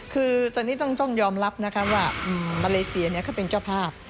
คือตอนนี้ต้องยอมรับนะคะว่ามาเลเซียเขาเป็นเจ้าภาพ